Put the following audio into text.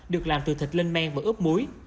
được làm từ thịt lên men và ướp muối